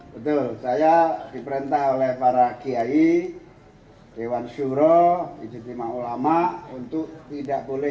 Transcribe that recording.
betul saya diperintah oleh para kiai dewan syuro ijitimak ulama untuk tidak boleh nyalon legislatif